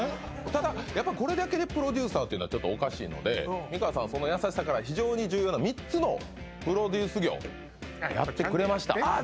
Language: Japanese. ただやっぱこれだけでプロデューサーっていうのはおかしいので美川さんその優しさから非常に重要な３つのプロデュース業やってくれました